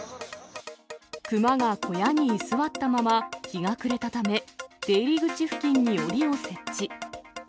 クマが小屋に居座ったまま日が暮れたため、出入り口付近におりを設置。